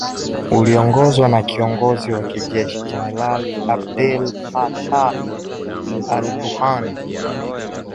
ulioongozwa na kiongozi wa kijeshi Jenerali Abdel Fattah al- Burhan